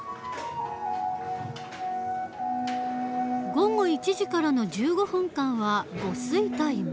午後１時からの１５分間は午睡タイム。